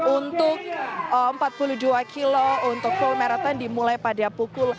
untuk empat puluh dua km untuk full marathon dimulai pada pukul